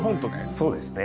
そうですね。